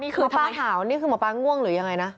นี่คือหมอป้าหาวนี่คือหมอป้าง่วงหรือยังไงนะ